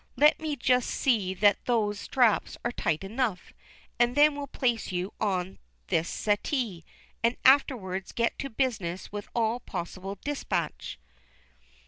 Let me just see that those straps are tight enough, and then we'll place you on this settee, and afterwards get to business with all possible dispatch."